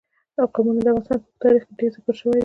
قومونه د افغانستان په اوږده تاریخ کې ذکر شوی دی.